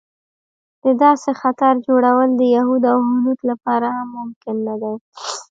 د داسې خطر جوړول د یهود او هنود لپاره هم ممکن نه دی.